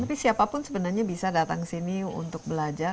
tapi siapapun sebenarnya bisa datang ke sini untuk belajar